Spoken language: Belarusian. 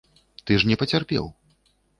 Ты ж не пацярпеў.